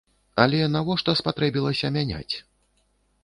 Але навошта спатрэбілася мяняць?